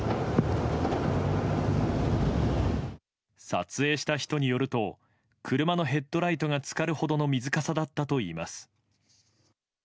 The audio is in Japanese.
撮影した人によると車のヘッドライトが浸かるほどの水かさだったといいます。